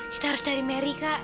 kita harus dari mary kak